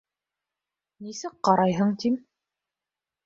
— Нисек ҡарайһың, тим.